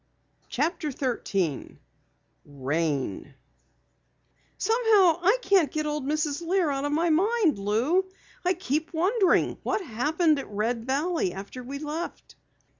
CHAPTER 13 RAIN "Somehow I can't get Old Mrs. Lear out of my mind, Lou. I keep wondering what happened at Red Valley after we left."